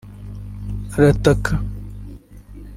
arataka